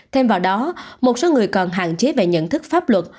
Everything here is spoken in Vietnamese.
thêm vào đó một số người còn hạn chế về nhận thức pháp luật